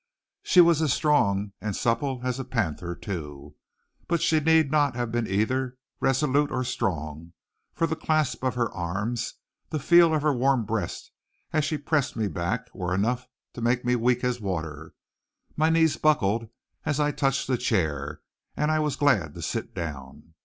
She was as strong and supple as a panther, too. But she need not have been either resolute or strong, for the clasp of her arms, the feel of her warm breast as she pressed me back were enough to make me weak as water. My knees buckled as I touched the chair, and I was glad to sit down.